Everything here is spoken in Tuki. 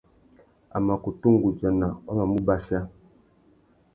A mà kutu nʼgudzana wa mà mù bachia.